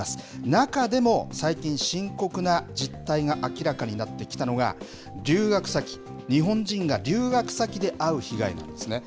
中でも最近、深刻な実態が明らかになってきたのが、留学先、日本人が留学先で遭う被害なんですね。